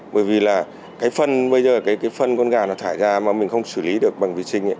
bởi vì là cái phân bây giờ cái phân con gà nó thải ra mà mình không xử lý được bằng vi sinh